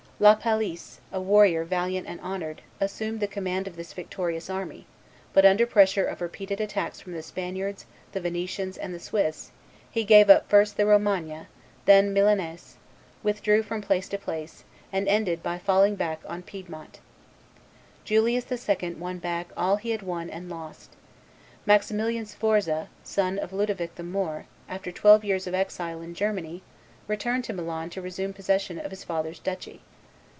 La Palisse, a warrior valiant and honored, assumed the command of this victorious army; but under pressure of repeated attacks from the Spaniards, the Venetians, and the Swiss, he gave up first the Romagna, then Milanes, withdrew from place to place, and ended by falling back on Piedmont. Julius II. won back all he had won and lost. Maximilian Sforza, son of Ludovic the Moor, after twelve years of exile in Germany, returned to Milan to resume possession of his father's duchy.